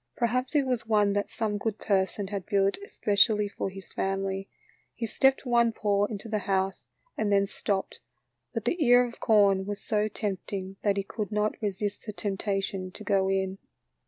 Perhaps it was one that some good person had built especially for his family. He stepped one paw into the house and then stopped, but the ear of corn was so tempting that he could not resist the temptation to go in.